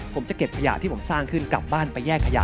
ผมจะเก็บขยะที่ผมสร้างขึ้นกลับบ้านไปแยกขยะ